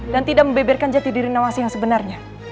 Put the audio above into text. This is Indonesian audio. dan tidak membeberkan jati diri nawangsi yang sebenarnya